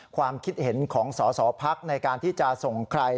ความคิดเห็นของสอสอพักในการที่จะส่งใคร